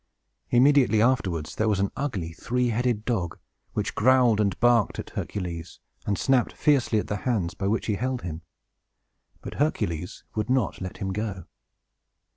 Immediately afterwards, there was an ugly three headed dog, which growled and barked at Hercules, and snapped fiercely at the hands by which he held him! But Hercules would not let him go.